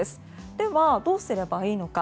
では、どうすればいいのか。